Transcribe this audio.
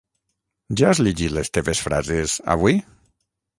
Ja has llegit les teves frases, avui?